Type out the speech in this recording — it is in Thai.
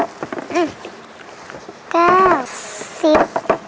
รับทราบ